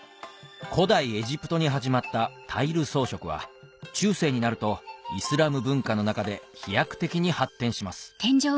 古代エジプトに始まったタイル装飾は中世になるとイスラム文化の中で飛躍的に発展します